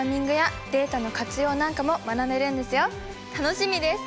楽しみです。